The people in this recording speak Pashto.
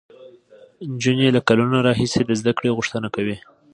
نجونې له کلونو راهیسې د زده کړې غوښتنه کوي.